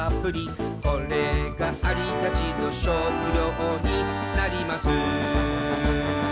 「これがアリたちの食料になります」